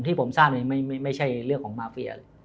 ที่ผมทราบไม่ใช่เรื่องของมาเฟียเลย